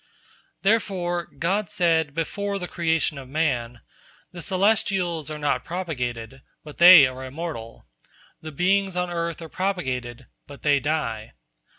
Therefore God said before the creation of man: "The celestials are not propagated, but they are immortal; the beings on earth are propagated, but they die.